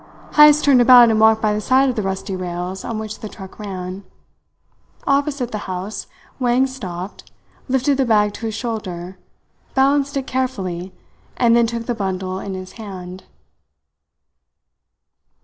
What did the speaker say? Heyst turned about and walked by the side of the rusty rails on which the truck ran. Opposite the house Wang stopped, lifted the bag to his shoulder, balanced it carefully, and then took the bundle in his hand.